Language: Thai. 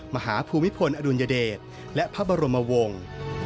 ภูมิพลอดุลยเดชและพระบรมวงศ์